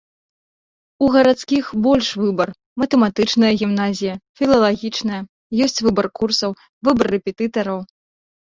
У гарадскіх больш выбар, матэматычная гімназія, філалагічная, ёсць выбар курсаў, выбар рэпетытараў.